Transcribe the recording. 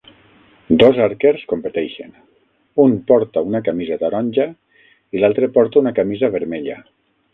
Dos arquers competeixen, un porta una camisa taronja i l'altre porta una camisa vermella.